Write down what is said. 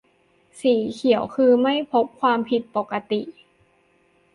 - สีเขียวคือ ไม่พบความผิดปกติ